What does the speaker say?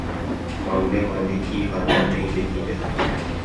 مانگنے والے کی حاجت نہیں دیکھی جاتی